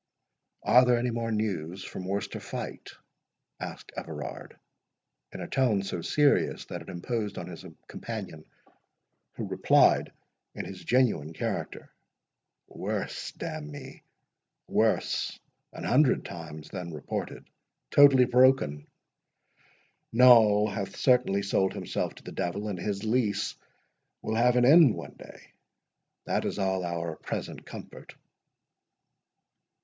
"Are there any more news from Worcester fight?" asked Everard, in a tone so serious that it imposed on his companion, who replied in his genuine character— "Worse!—d—n me, worse an hundred times than reported—totally broken. Noll hath certainly sold himself to the devil, and his lease will have an end one day—that is all our present comfort."